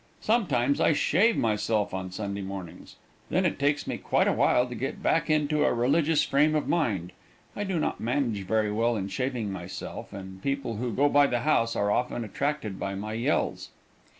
Sometimes I shave myself on Sunday mornings. Then it takes me quite a while to get back into a religious frame of mind. I do not manage very well in shaving myself, and people who go by the house are often attracted by my yells.